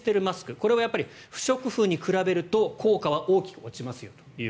これは不織布に比べると効果は大きく落ちますよと。